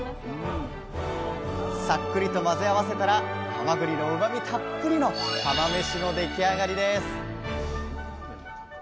さっくりと混ぜ合わせたらはまぐりのうまみたっぷりの釜めしの出来上がりです